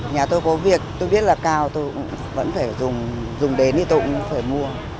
nhà tôi có việc tôi biết là cao tôi cũng vẫn phải dùng đến thì tôi cũng phải mua